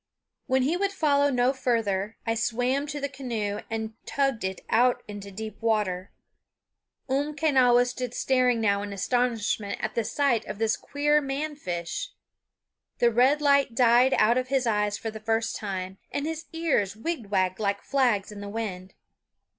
When he would follow no farther I swam to the canoe and tugged it out into deep water. Umquenawis stood staring now in astonishment at the sight of this queer man fish. The red light died out of his eyes for the first time, and his ears wigwagged like flags in the wind.